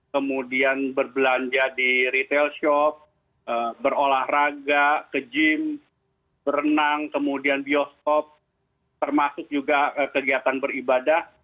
kemudian berbelanja di retail shop berolahraga ke gym berenang kemudian bioskop termasuk juga kegiatan beribadah